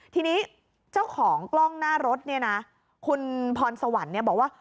ทีนี้เจ้าของกล้องหน้ารถเนี่ยนะคุณพรสวรรค์เนี่ยบอกว่า